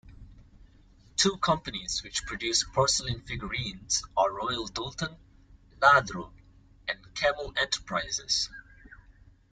Two companies which produce porcelain figurines are Royal Doulton, Lladró and Camal Enterprises.